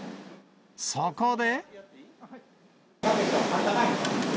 そこで。